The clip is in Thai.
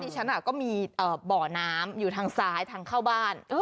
ฉันก็มีบ่อน้ำอยู่ทางซ้ายทางเข้าบ้าน